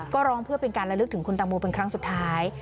ก็ร้องเพื่อเป็นการระลึกถึงคุณตังโมเป็นครั้งสุดท้าย